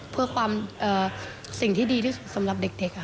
เพื่อความสิ่งที่ดีที่สุดสำหรับเด็กค่ะ